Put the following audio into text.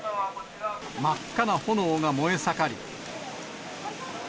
真っ赤な炎が燃え盛り。